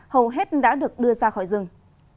hầu hết đã được đưa ra khỏi rừng